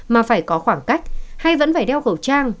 mà phải có khoảng cách hay vẫn phải đeo khẩu trang